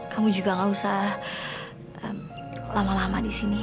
kamu juga gak usah lama lama di sini